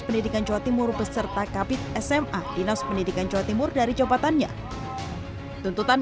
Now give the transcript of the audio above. pendidikan jawa timur beserta kapit sma dinas pendidikan jawa timur dari jabatannya tuntutan